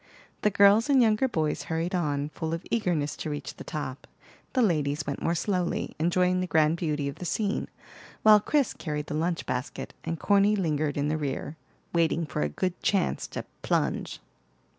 The girls and younger boys hurried on, full of eagerness to reach the top. The ladies went more slowly, enjoying the grand beauty of the scene, while Chris carried the lunch basket, and Corny lingered in the rear, waiting for a good chance to "plunge."